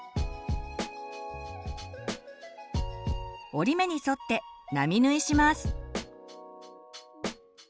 折り目に沿って並縫いします。